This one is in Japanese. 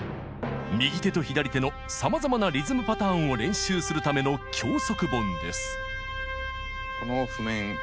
右手と左手のさまざまなリズムパターンを練習するための教則本です。